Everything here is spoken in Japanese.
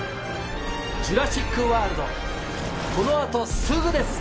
『ジュラシック・ワールド』この後すぐです！